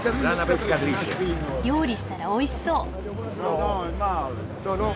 料理したらおいしそう。